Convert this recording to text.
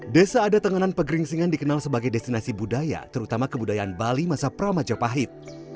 desa adat tenganan pegering singa dikenal sebagai destinasi budaya terutama kebudayaan bali masa pra majapahit